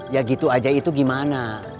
ya gitu aja itu gimana